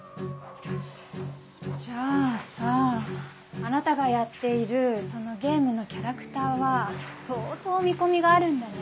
じゃあさあなたがやっているそのゲームのキャラクターは相当見込みがあるんだね。